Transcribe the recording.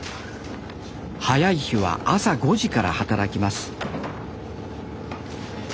早い日は朝５時から働きます